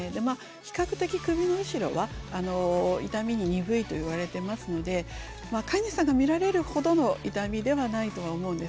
比較的首の後ろは痛みに鈍いといわれてますので飼い主さんが見られるほどの痛みではないとは思うんですが。